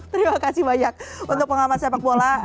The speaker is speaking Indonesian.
terima kasih banyak untuk pengalaman sepak bola